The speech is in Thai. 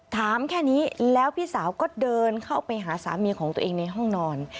ถามแค่นี้แล้วพี่สาวก็เดินเข้าไปหาสามีของตัวเองในห้องนอน